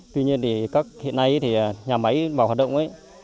tuy nhiên hiện nay nhà máy bảo hoạt động